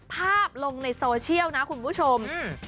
ภาพในโซเชียลคุณผู้ชม